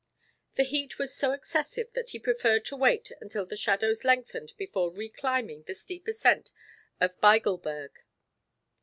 The heat was so excessive that he preferred to wait until the shadows lengthened before reclimbing the steep ascent of Bigelberg.